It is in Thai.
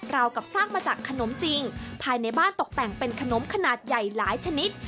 กับสร้างมาจากขนมจริงภายในบ้านตกแต่งเป็นขนมขนาดใหญ่หลายชนิด